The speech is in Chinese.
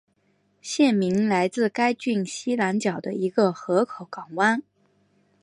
县名来自该郡西南角的一个河口港湾。